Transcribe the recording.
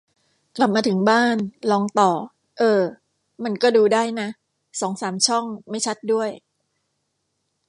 กลับมาถึงบ้าน ลองต่อ เออ มันก็ดูได้นะ สองสามช่อง ไม่ชัดด้วย